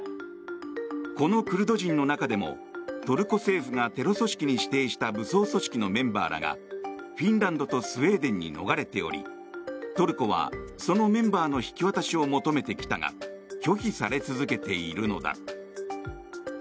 このクルド人の中でもトルコ政府がテロ組織に指定した武装組織のメンバーらがフィンランドとスウェーデンに逃れておりトルコはそのメンバーの引き渡しを求めてきたが拒否され続けているのだ。